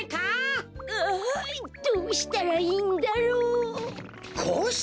ああどうしたらいいんだろう。